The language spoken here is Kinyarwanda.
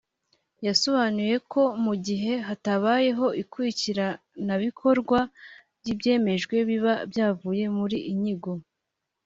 yasobanuye ko mu gihe hatabayeho ikurikiranabikorwa ry’ibyemejwe biba byavuye muri nyigo